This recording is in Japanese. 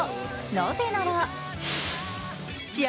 なぜなら試合